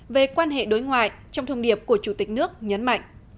về quan hệ đối ngoại trong thông điệp của chủ tịch nước nhấn mạnh